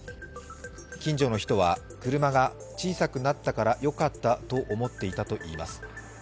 近所の人は、車が小さくなったからよかったと思っていたといいます。